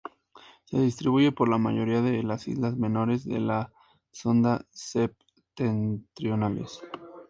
Se distribuye por la mayoría de las islas menores de la Sonda septentrionales.